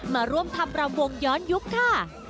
มาร่วมทำรำวงย้อนยุคค่ะ